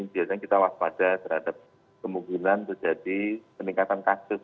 biasanya kita waspada terhadap kemungkinan terjadi peningkatan kasus